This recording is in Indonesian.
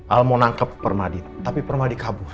al mau nangkep permadi tapi permadi kabur